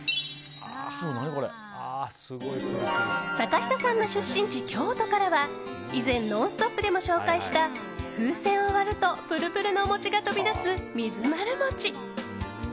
坂下さんの出身地、京都からは以前「ノンストップ！」でも紹介した風船を割るとぷるぷるのお餅が飛び出す水まる餅。